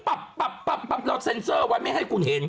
เราเซ็นเซอร์ไว้ไม่ให้คุณเห็น